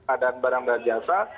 adan barang barang jasa